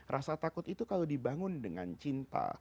rasa takut itu kalau dibangun dengan cinta